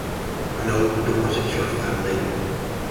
An old Dorsetshire family.